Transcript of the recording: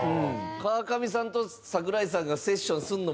川上さんと櫻井さんがセッションするのも。